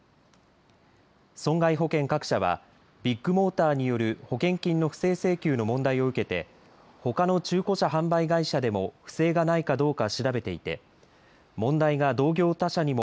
損害保険各社はビッグモーターによる保険金の不正請求の問題を受けてほかの中古車販売会社でも不正がないかどうか調べていて問題が同業他社にも